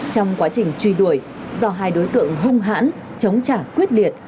trong quá trình truy đuổi do hai đối tượng hung hãn chống trả quyết liệt